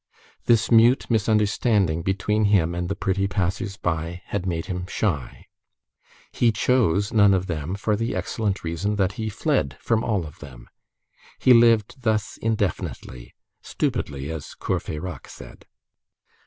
This mute misunderstanding between him and the pretty passers by had made him shy. He chose none of them for the excellent reason that he fled from all of them. He lived thus indefinitely,—stupidly, as Courfeyrac said.